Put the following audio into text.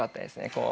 こう。